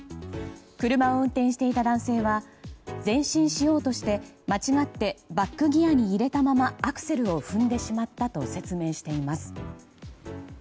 車を運転していた男性は前進しようとして間違ってバックギアに入れたままアクセルを踏んでしまったと説明しています。